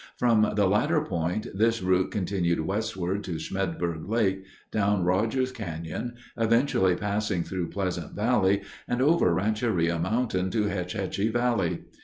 From the latter point this route continued westward to Smedberg Lake, down Rogers Canyon, eventually passing through Pleasant Valley and over Rancheria Mountain to Hetch Hetchy Valley.